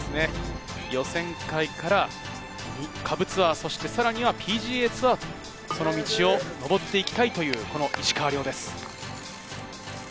予選会から下部ツアー、そしてさらにはＰＧＡツアーと、その道を上っていきたいという、石川遼です。